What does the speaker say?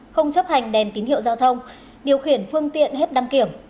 không chấp hành đèn tín hiệu giao thông điều khiển phương tiện hết đăng kiểm